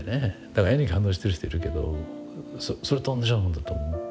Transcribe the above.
だから絵に感動してる人いるけどそれと同じようなもんだと思う。